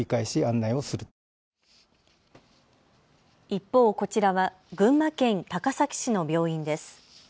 一方、こちらは群馬県高崎市の病院です。